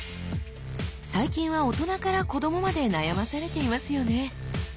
最近は大人から子どもまで悩まされていますよね。